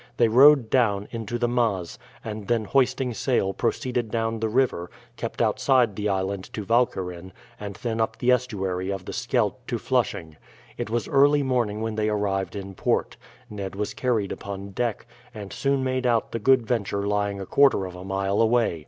They rowed down into the Maas, and then hoisting sail proceeded down the river, kept outside the island to Walcheren, and then up the estuary of the Scheldt to Flushing. It was early morning when they arrived in port. Ned was carried upon deck, and soon made out the Good Venture lying a quarter of a mile away.